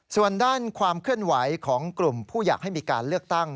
ส่วนด้านความเคลื่อนไหวของกลุ่มผู้อยากให้มีการเลือกตั้ง